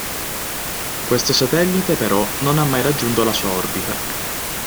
Questo satellite però non ha mai raggiunto la sua orbita.